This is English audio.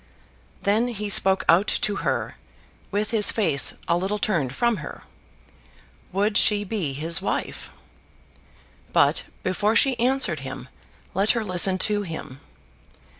Then he spoke out to her, with his face a little turned from her. Would she be his wife? But, before she answered him, let her listen to him.